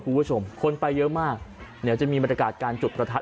คุณผู้ชมคนไปเยอะมากเดี๋ยวจะมีบรรยากาศการจุดประทัด